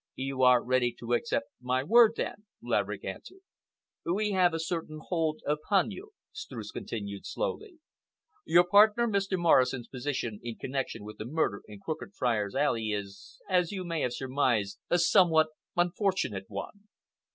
"You are ready to accept my word, then?" Laverick asked. "We have a certain hold upon you," Streuss continued slowly. "Your partner Mr. Morrison's position in connection with the murder in Crooked Friars' Alley is, as you may have surmised, a somewhat unfortunate one.